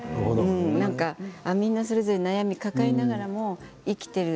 なんかみんなそれぞれ悩みを抱えながらも生きている。